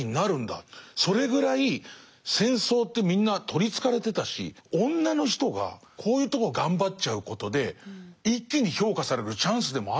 それぐらい戦争ってみんな取りつかれてたし女の人がこういうとこ頑張っちゃうことで一気に評価されるチャンスでもあったんだとかは。